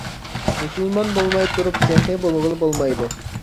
مۇسۇلمان بولماي تۇرۇپ سېخىي بولغىلى بولمايدۇ.